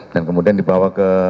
dan kemudian dibawa ke